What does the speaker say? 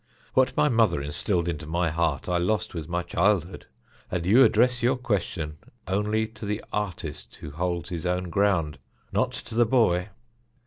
What my mother instilled into my heart I lost with my childhood, and you address your question only to the artist who holds his own ground, not to the boy.